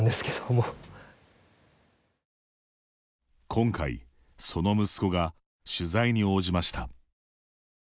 今回、その息子が取材に応じました。